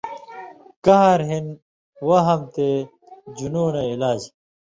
کھاݩر ہِن وہم تے جُنونَیں علاج